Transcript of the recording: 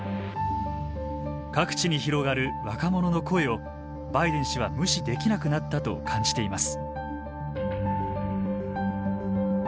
各地に広がる若者の声をバイデン氏は無視できなくなったと感じています。